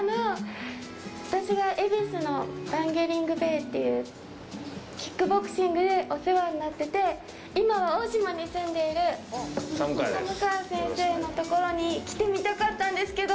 私が、恵比寿のバンゲリングベイっていうキックボクシングでお世話になってて、今は大島に住んでいる寒川先生のところに来てみたかったんですけど。